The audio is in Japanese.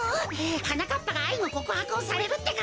はなかっぱがあいのこくはくをされるってか？